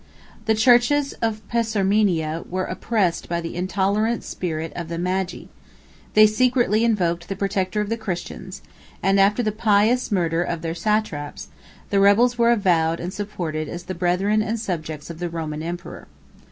The churches of Persarmenia were oppressed by the intolerant spirit of the Magi; 411 they secretly invoked the protector of the Christians, and, after the pious murder of their satraps, the rebels were avowed and supported as the brethren and subjects of the Roman emperor.